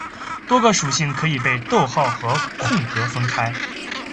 多个属性可以被逗号和空格分开。